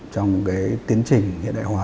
trong cái tiến trình hiện đại hóa